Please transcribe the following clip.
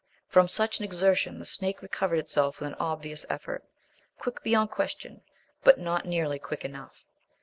From such an exertion the snake recovered itself with an obvious effort, quick beyond question, but not nearly quick enough.